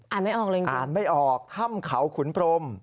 ไม่ออกเลยไงอ่านไม่ออกถ้ำเขาขุนพรม